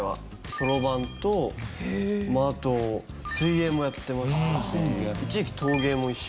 そろばんとあと水泳もやってましたし一時期陶芸も一瞬。